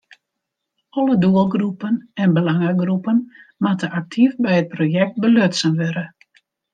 Alle doelgroepen en belangegroepen moatte aktyf by it projekt belutsen wurde.